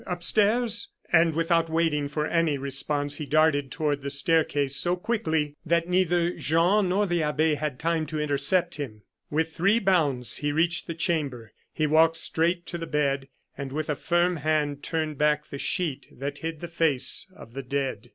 upstairs?" And without waiting for any response, he darted toward the staircase so quickly that neither Jean nor the abbe had time to intercept him. With three bounds he reached the chamber; he walked straight to the bed, and with a firm hand turned back the sheet that hid the face of the dead.